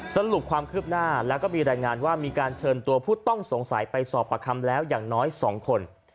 สรุปความคืบหน้าแล้วก็มีรายงานว่ามีการเชิญตัวผู้ต้องสงสัยไปสอบประคำแล้วอย่างน้อย๒คน